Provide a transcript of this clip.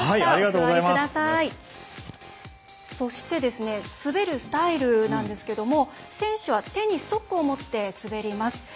そして滑るスタイルなんですけども選手は手にストックを持って滑ります。